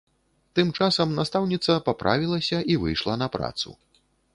Тым часам, настаўніца паправілася і выйшла на працу.